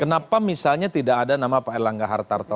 kenapa misalnya tidak ada nama pak erlangga hartarto